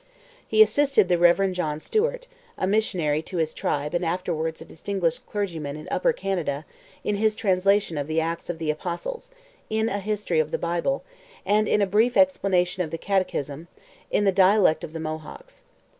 He assisted the Rev. John Stuart, a missionary to his tribe and afterwards a distinguished clergyman in Upper Canada, in his translation of the Acts of the Apostles, in a History of the Bible, and in a brief explanation of the Catechism, in the dialect of the Mohawks.